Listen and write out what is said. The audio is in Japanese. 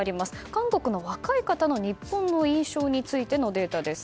韓国の若い方の日本の印象についてのデータです。